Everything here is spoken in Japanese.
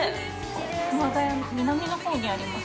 ◆熊谷、南のほうにあります